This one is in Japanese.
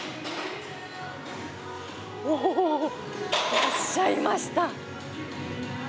いらっしゃいました！